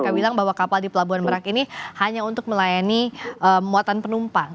mereka bilang bahwa kapal di pelabuhan merak ini hanya untuk melayani muatan penumpang